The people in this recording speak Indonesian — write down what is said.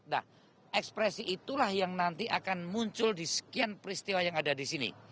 nah ekspresi itulah yang nanti akan muncul di sekian peristiwa yang ada di sini